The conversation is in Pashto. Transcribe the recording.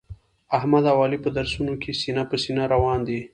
احمد او علي په درسونو کې سینه په سینه روان دي.